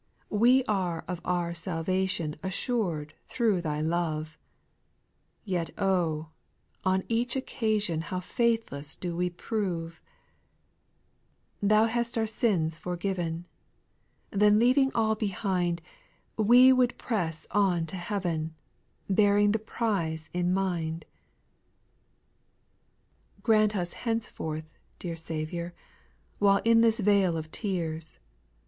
2. We are of our salvation Assured through Thy love ; Yet oh I on each occasion How faithless do we prove I Thou hast our sins forgiven, — Then leaving all behind, We would press on to heaven, Bearing the prize in mind. 8. Grant us henceforth, dear Saviour, While in this vale of tears.